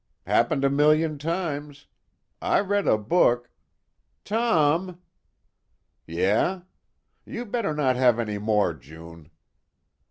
Happened a million times. I read a book " "Tom!" "Yeah? You better not have any more, June."